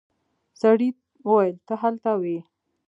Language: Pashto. سړي وويل ته هلته وې.